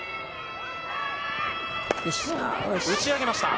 打ち上げました。